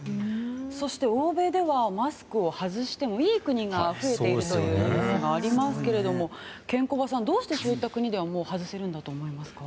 そして、欧米ではマスクを外してもいい国が増えているというニュースがありますけどケンコバさん、どうしてそういった国ではもう外せるんだと思いますか？